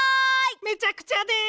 めちゃくちゃです！